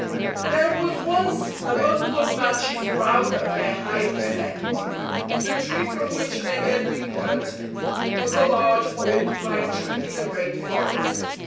"There was once a 194 bundle of matches proud of their high descent. The tree from which they had been cut was a large, old pine tree in a great forest.